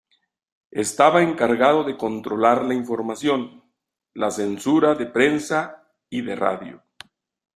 Estaba encargado de controlar la información, la censura de prensa y de radio.